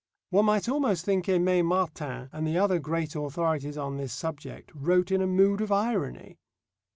One might almost think Aimé Martin and the other great authorities on this subject wrote in a mood of irony.